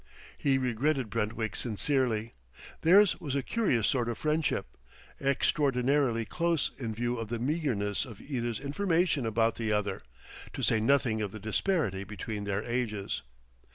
He regretted Brentwick sincerely. Theirs was a curious sort of friendship extraordinarily close in view of the meagerness of either's information about the other, to say nothing of the disparity between their ages.